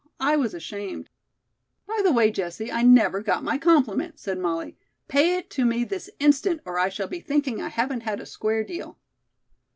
I was ashamed." "By the way, Jessie, I never got my compliment," said Molly. "Pay it to me this instant, or I shall be thinking I haven't had a 'square deal.'"